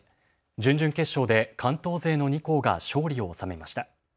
準々決勝で関東勢の２校が勝利を収めました。